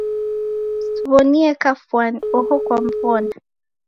Simw'onie kafwani, oho kwamw'ona?